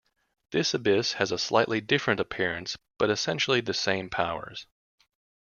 This Abyss has a slightly different appearance but essentially the same powers.